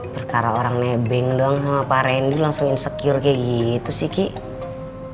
perkara orang nebeng doang sama pak randy langsung insecure kayak gitu sih ki